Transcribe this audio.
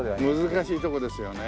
難しいとこですよね。